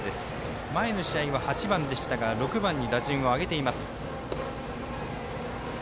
前の試合は、８番でしたが６番に打順を上げています。